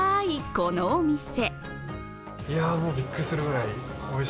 このお店。